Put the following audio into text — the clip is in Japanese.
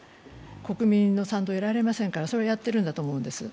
国民の賛同は得られませんからそうやっているんだと思います。